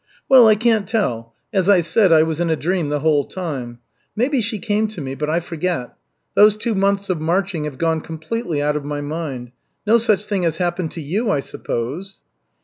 "Well, I can't tell. As I said, I was in a dream the whole time. Maybe she came to me, but I forget. Those two months of marching have gone completely out of my mind. No such thing has happened to you, I suppose?"